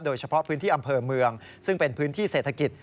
โดยเฉพาะพื้นที่อำเภอเมืองซึ่งเป็นพื้นที่เศรษฐกิจ